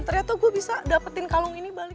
ternyata gue bisa dapetin kalung ini balik